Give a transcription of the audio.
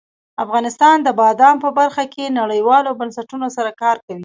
افغانستان د بادام په برخه کې نړیوالو بنسټونو سره کار کوي.